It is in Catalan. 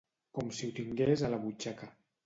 Com si ho tingués a la butxaca.